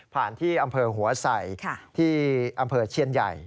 ที่อำเภอหัวใส่ที่อำเภอเชียนใหญ่